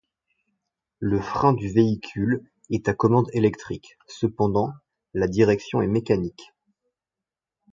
Le frein du véhicule est à commande électrique, cependant la direction est mécanique.